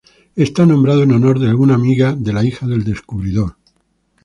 Está nombrado en honor de una amiga de la hija del descubridor.